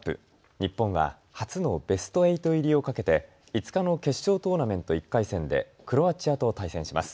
日本は初のベスト８入りをかけて５日の決勝トーナメント１回戦でクロアチアと対戦します。